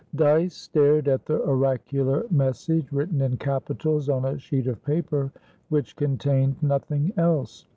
Dyce stared at the oracular message, written in capitals on a sheet of paper which contained nothing else.